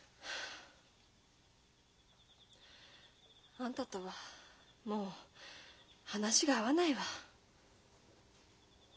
あんたとはもう話が合わないわ。